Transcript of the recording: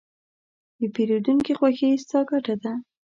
د پیرودونکي خوښي، ستا ګټه ده.